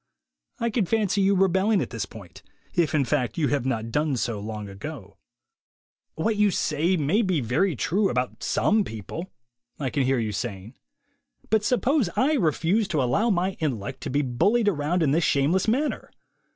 I can fancy your rebelling al this point, if, in fact, you have not done so lonf 3 ago. "What you say may be all very true about some people," I can hear, ^dii saying, "but suppose I refuse to allow my intellect to be bullied around in this shameless manner?